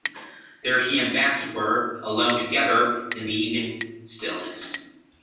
There he and Bassett were, alone together in the evening stillness.